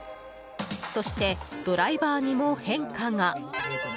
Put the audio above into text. そして、ドライバーにも変化が。